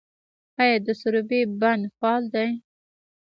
آیا د سروبي بند فعال دی؟